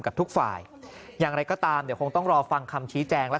กับทุกฝ่ายอย่างไรก็ตามเดี๋ยวคงต้องรอฟังคำชี้แจงและ